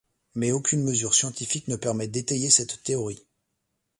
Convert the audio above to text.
Mais aucune mesure scientifique ne permet d'étayer cette théorie.